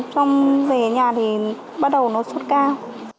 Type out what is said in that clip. xong về nhà thì bắt đầu nó xuất cao